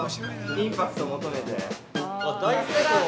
◆インパクト求めて。